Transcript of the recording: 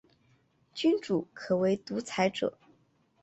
君主可为独裁者。